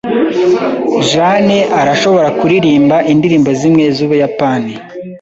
Jane arashobora kuririmba indirimbo zimwe z'Ubuyapani.